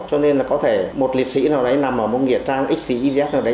cho nên là có thể một liệt sĩ nào đấy nằm ở một nghịa trang xcz nào đấy